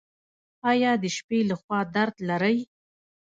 ایا د شپې لخوا درد لرئ؟